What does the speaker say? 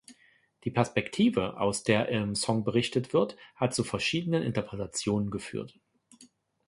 Die Perspektive, aus der im Song berichtet wird, hat zu verschiedenen Interpretationen geführt.